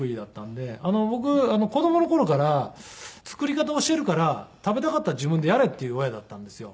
僕子供の頃から作り方教えるから食べたかったら自分でやれっていう親だったんですよ。